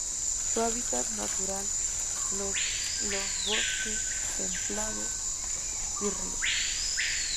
Su hábitat natural los los bosques templados y ríos.